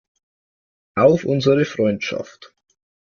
Auf unsere Freundschaft!